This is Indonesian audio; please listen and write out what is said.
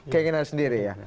keinginan sendiri ya